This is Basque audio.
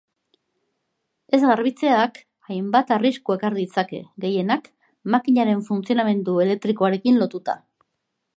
Ez garbitzeak hainbat arrisku ekar ditzake, gehienak makinaren funtzionamendu elektrikoarekin lotuta.